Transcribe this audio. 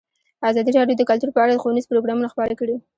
ازادي راډیو د کلتور په اړه ښوونیز پروګرامونه خپاره کړي.